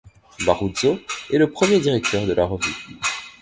Marouzeau est le premier directeur de la revue.